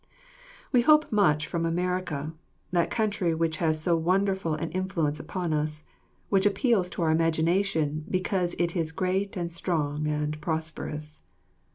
We hope much from America, that country which has so wonderful an influence upon us, which appeals to our imagination because it is great and strong and prosperous.